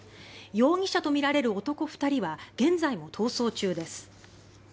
容疑者とみられる男２人は現在も逃走中です。